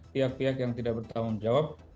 pihak pihak yang tidak bertanggung jawab